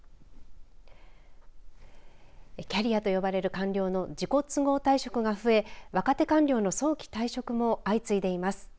キャリアと呼ばれる官僚の自己都合退職が増え若手官僚の早期退職も相次いでいます。